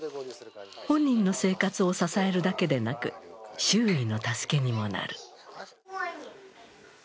本人の生活を支えるだけでなく、周囲の助けにもなる。